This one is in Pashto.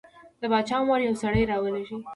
د باچا مور یو سړی راولېږه.